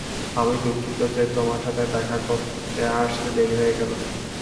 আমি দুঃখিত যে তোমার সাথে দেখা করতে আসতে দেরি হয়ে গেল!